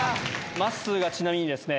まっすーがちなみにですね。